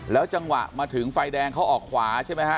จังหวะมาถึงไฟแดงเขาออกขวาใช่ไหมฮะ